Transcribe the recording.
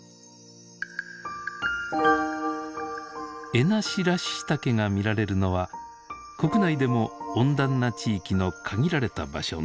エナシラッシタケが見られるのは国内でも温暖な地域の限られた場所のみ。